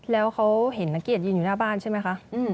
แล้วเขาเห็นนักเกียรติยืนอยู่หน้าบ้านใช่ไหมคะ